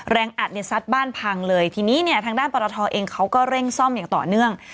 อัดเนี่ยซัดบ้านพังเลยทีนี้เนี่ยทางด้านปรทเองเขาก็เร่งซ่อมอย่างต่อเนื่อง